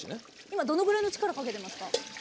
今どのぐらいの力かけてますか？